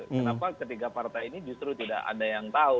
kenapa ketiga partai ini justru tidak ada yang tahu